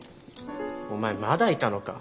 お前まだいたのか？